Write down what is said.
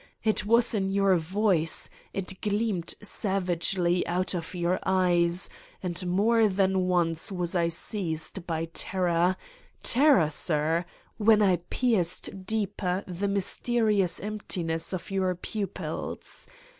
It *was in your voice, it gleamed savagely out of your eyes, and more than once was I seized by terror ... terror, sir ! when I pierced deeper the mysterious empti ness of your pupils.